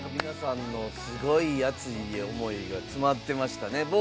皆さんのすごい熱い思いが詰まってましたね。